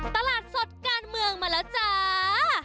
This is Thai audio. ตลาดสดการเมืองมาแล้วจ้า